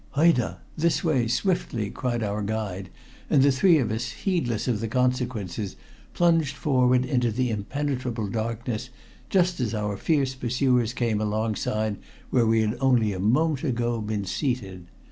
"Hoida! This way! Swiftly!" cried our guide, and the three of us, heedless of the consequences, plunged forward into the impenetrable darkness, just as our fierce pursuers came alongside where we had only a moment ago been seated.